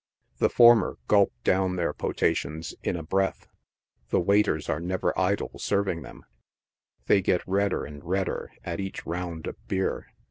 r lbe former gulp down their potations in a breath — the waiters are never idle serving them, they get redder and redder at each round of bier.